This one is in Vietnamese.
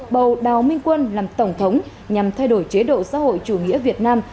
bầu đào minh quân làm tổng thống nhằm thay đổi chế độ xã hội chủ nghĩa việt nam